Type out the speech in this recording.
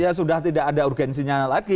ya sudah tidak ada urgensinya lagi